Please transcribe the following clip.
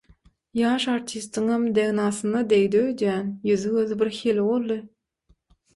Ýaş artistiňem degnasyna degdi öýdýän, ýüzi-gözi birhili boldy.